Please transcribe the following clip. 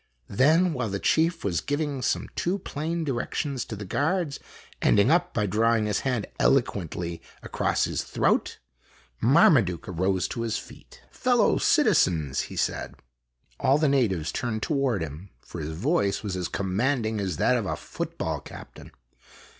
Then, while the chief was giving some too plain direc tions to the guards, ending up by drawing his hand eloquently across his throat, Marmaduke arose to his feet. " Fellow citizens !" he said. All the natives turned toward him, for his voice was as commanding as that of a foot ball captain.